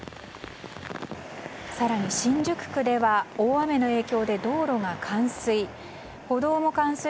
更に、新宿区では大雨の影響で道路が冠水。